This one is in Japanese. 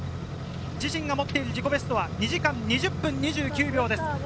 自身が持っている自己ベストは２時間２０分２９秒です。